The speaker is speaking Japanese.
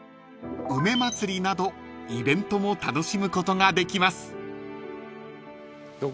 ［梅まつりなどイベントも楽しむことができます］